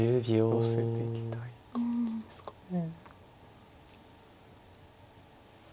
寄せていきたい感じですかね。